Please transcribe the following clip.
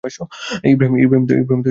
ইবরাহীম তো কোমল হৃদয় ও সহনশীল।